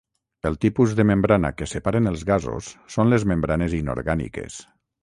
El tipus de membrana que separen els gasos, són les membranes inorgàniques.